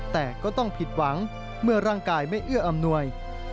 แต่ก็ต้องผิดหวังเมื่อร่างกายไม่เอื้ออำนวย